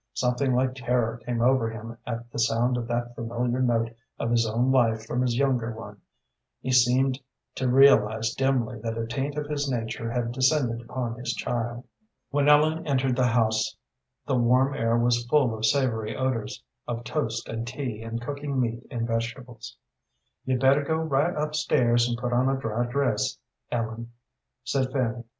Something like terror came over him at the sound of that familiar note of his own life from this younger one. He seemed to realize dimly that a taint of his nature had descended upon his child. When Ellen entered the house, the warm air was full of savory odors of toast and tea and cooking meat and vegetables. "You'd better go right up stairs and put on a dry dress, Ellen," said Fanny.